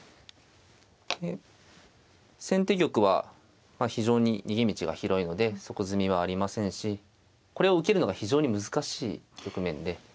で先手玉は非常に逃げ道が広いので即詰みはありませんしこれを受けるのが非常に難しい局面で。